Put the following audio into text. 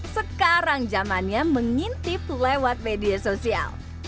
sekarang zamannya mengintip lewat media sosial